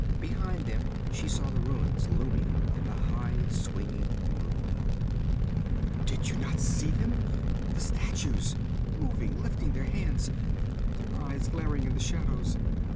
Behind them she saw the ruins looming in the high swinging moon. 'Did you not see them? The statues, moving, lifting their hands, their eyes glaring in the shadows?'